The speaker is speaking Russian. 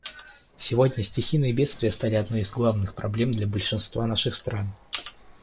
Сегодня стихийные бедствия стали одной из главных проблем для большинства наших стран.